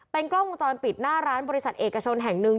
กล้องวงจรปิดหน้าร้านบริษัทเอกชนแห่งหนึ่ง